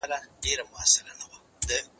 ها ښه دريه چي ئې وهل، هغې هم گوز واچاوه.